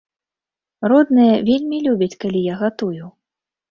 Родныя вельмі любяць, калі я гатую.